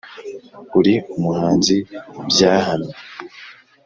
Uri umuhanzi byahamye